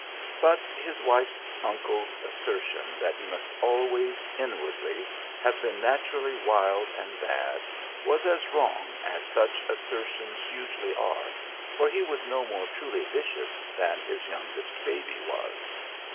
But his wife's uncle's assertion that he must always, inwardly, have been naturally wild and bad, was as wrong as such assertions usually are, for he was no more truly vicious than his youngest baby was.